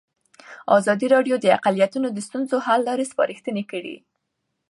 ازادي راډیو د اقلیتونه د ستونزو حل لارې سپارښتنې کړي.